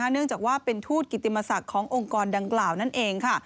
เนื่องจากว่าเป็นทูตกิติมศักดิ์ขององค์กรดังกล่าวนั่นเองค่ะ